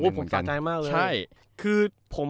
ผมสะใจมากเลย